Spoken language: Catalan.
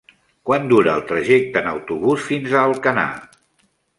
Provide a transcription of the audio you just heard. Quant dura el trajecte en autobús fins a Alcanar?